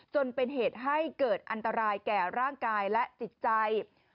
จนเป็นเหตุให้เกิดอันตรายแก่ร่างกายและจิตใจ